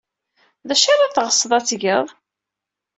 D acu ara teɣsed ad t-tged?